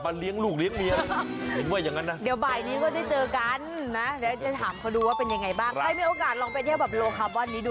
วันนี้ดูเหมือนกันนะคะ